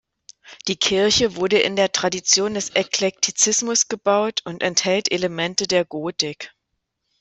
Die Kirche wurde in der Tradition des Eklektizismus gebaut und enthält Elemente der Gotik.